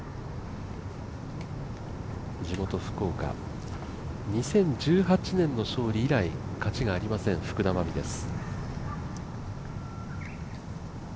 地元・福岡、２０１８年の勝利以来勝ちがありません福田真未です。